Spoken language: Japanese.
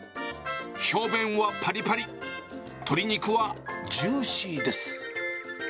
表面はぱりぱり、鶏肉はジューシーです。